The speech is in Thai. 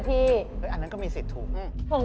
อันนั้นก็มีสิทธิ์ถูก